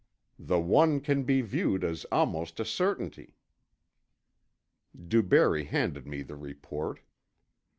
The one can be viewed as almost a certainty ...'" DuBarry handed me the report.